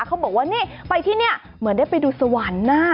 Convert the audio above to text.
เขาบอกว่านี่ไปที่นี่เหมือนได้ไปดูสวรรค์หน้า